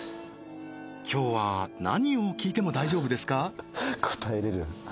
今日は何を聞いても大丈夫ですか？